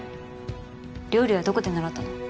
料理はどこで習ったの？